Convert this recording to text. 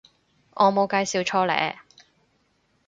我冇介紹錯呢